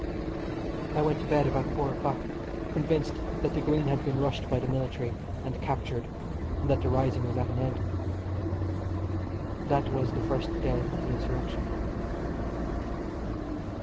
I went to bed about four o'clock convinced that the Green had been rushed by the military and captured, and that the rising was at an end. That was the first day of the insurrection.